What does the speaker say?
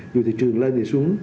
dù thị trường lên thì xuống